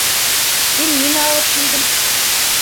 — Һин нимә алып килдең?